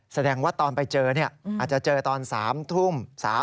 แสดงว่าตอนไปเจออาจจะเจอตอน๓ทุ่ม